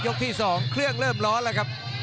ที่๒เครื่องเริ่มร้อนแล้วครับ